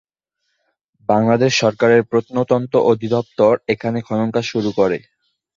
বাংলাদেশ সরকারের প্রত্নতত্ত্ব অধিদপ্তর এখানে খনন কাজ শুরু করে।